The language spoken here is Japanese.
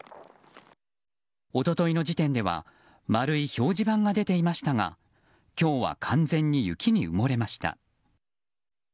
一昨日の時点では丸い表示板が出ていましたが今日は完全に雪に埋もれました。